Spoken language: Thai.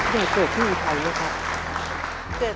พี่หน่อยเกิดที่อุทัยไหมครับ